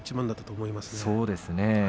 そうですね。